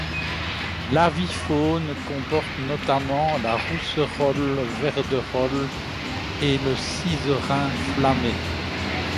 L'avifaune comporte notamment la Rousserolle verderolle et le Sizerin flammé.